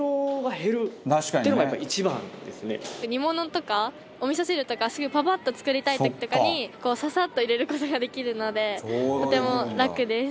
煮物とかお味噌汁とかパパッと作りたい時とかにササッと入れる事ができるのでとても楽です。